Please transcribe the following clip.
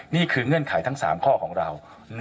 นี่คือเงื่อนไขทั้ง๓ข้อของเรา